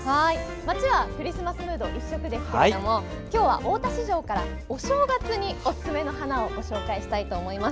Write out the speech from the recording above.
街はクリスマスムード一色ですが今日は大田市場からお正月におすすめの花を紹介します。